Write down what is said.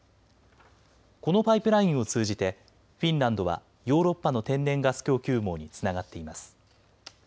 このパイプラインを通じてフィンランドはヨーロッパの天然ガス供給網につながっています。